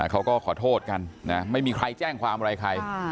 เขาก็ขอโทษกันไม่มีใครแจ้งความอะไรใคร